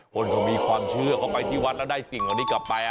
คนเขามีความเชื่อเขาไปที่วัดแล้วได้สิ่งเหล่านี้กลับไป